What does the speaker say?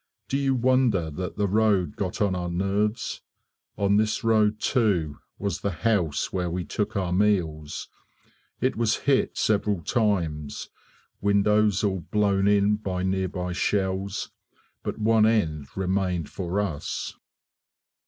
Do you wonder that the road got on our nerves? On this road, too, was the house where we took our meals. It was hit several times, windows all blown in by nearby shells, but one end remained for us.